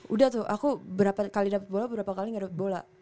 udah tuh aku berapa kali dapet bola berapa kali gak dapet bola